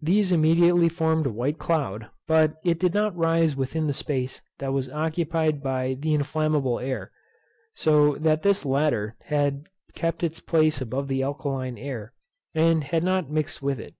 These immediately formed a white cloud, but it did not rise within the space that was occupied by the inflammable air; so that this latter had kept its place above the alkaline air, and had not mixed with it.